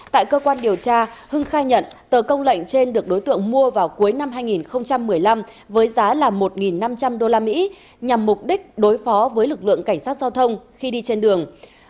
tại cơ quan điều tra hưng khai nhận tờ công lệnh trên được đối tượng mua vào cuối năm hai nghìn một mươi năm với giá là một năm trăm linh usd nhằm mục đích đối phó với lực lượng cảnh sát giao thông khi đi trên đường